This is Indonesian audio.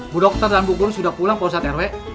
bu dokter dan bu guru sudah pulang pak ustadz rw